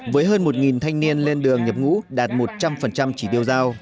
với hơn một thanh niên lên đường nhập ngũ đạt một trăm linh chỉ tiêu giao